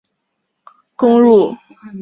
且肇俊哲在比赛中还攻入一球。